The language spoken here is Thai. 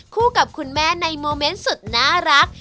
กับคุณแม่ในโมเมนต์สุดน่ารัก